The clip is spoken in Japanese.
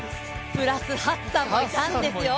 プラス、ハッサンもいたんですよ。